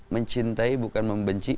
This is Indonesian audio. mencintai bukan membenci